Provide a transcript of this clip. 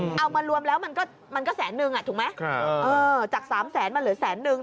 เอามารวมแล้วมันก็มันก็แสนนึงอ่ะถูกไหมครับเออจากสามแสนมาเหลือแสนนึง